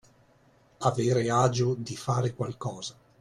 Avere agio di fare qualcosa.